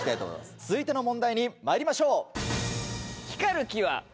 続いての問題にまいりましょう。